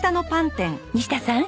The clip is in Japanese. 西田さん